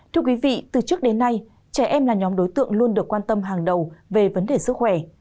thưa quý vị từ trước đến nay trẻ em là nhóm đối tượng luôn được quan tâm hàng đầu về vấn đề sức khỏe